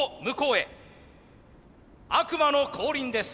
悪魔の降臨です。